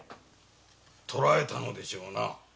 捕らえたのでしょうな。